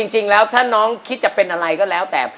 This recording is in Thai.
จริงแล้วถ้าน้องคิดจะเป็นอะไรก็แล้วแต่